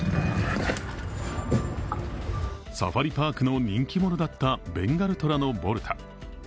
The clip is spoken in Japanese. サファリパークの人気者だったベンガルトラのボルタ。